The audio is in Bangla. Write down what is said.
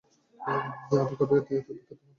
আমি কবে এত বিখ্যাত হলাম?